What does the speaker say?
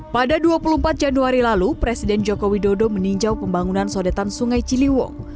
pada dua puluh empat januari lalu presiden joko widodo meninjau pembangunan sodetan sungai ciliwung